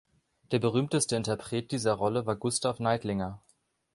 Der berühmteste Interpret dieser Rolle war Gustav Neidlinger.